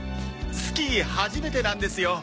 スキー初めてなんですよ。